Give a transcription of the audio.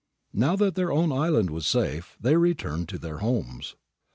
Now that their own island was safe, they returned to their homes.'